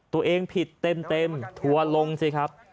ตัวเองผิดเต็มทัวร์ลงสิครับ